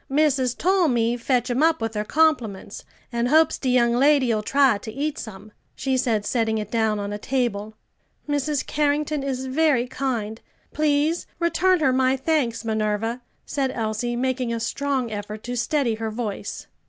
"Missus tole me fetch 'em up with her compliments, an' hopes de young lady'll try to eat some," she said, setting it down on a table. "Mrs. Carrington is very kind. Please return her my thanks, Minerva," said Elsie, making a strong effort to steady her voice.